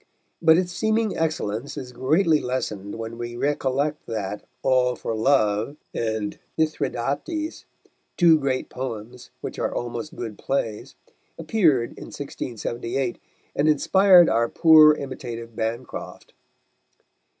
But its seeming excellence is greatly lessened when we recollect that All for Love and Mithridates, two great poems which are almost good plays, appeared in 1678, and inspired our poor imitative Bancroft.